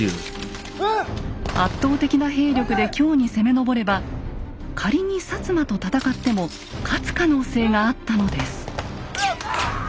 圧倒的な兵力で京に攻め上れば仮に摩と戦っても勝つ可能性があったのです。